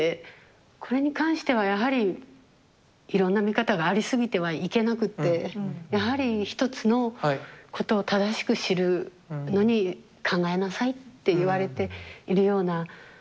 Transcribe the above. これに関してはやはりいろんな見方がありすぎてはいけなくてやはり一つのことを正しく知るのに考えなさいって言われているような気がします。